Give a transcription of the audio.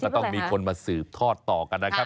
ต้องมีคนมาสืบทอดต่อกันนะครับ